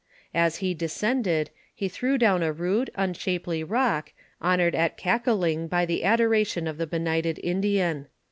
As he descended, he threw down a rude, unshapely rock, honored at Eakaling by the adoration of the benighted Indian.